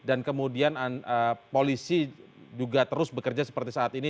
dan kemudian polisi juga terus bekerja seperti saat ini